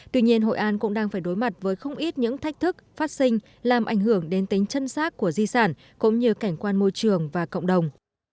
tuy nhiên hội an cũng đang phải đối mặt với không ít những thách thức phát sinh làm ảnh hưởng đến tính chân sát của di sản cũng như cảnh quan môi trường và cộng đồng